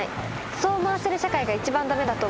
そう思わせる社会が一番駄目だと思います。